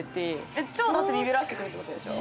えっ超だってビビらしてくるってことでしょ？